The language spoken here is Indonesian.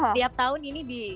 setiap tahun ini di